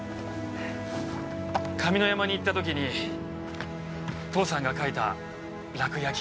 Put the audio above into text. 上山に行った時に父さんが描いた楽焼。